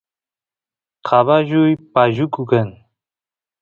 caballuy pashuku kan